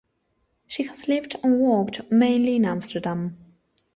She has lived and worked mainly in Amsterdam.